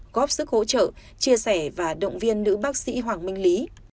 góp sức hỗ trợ chia sẻ và động viên nữ bác sĩ hoàng minh lý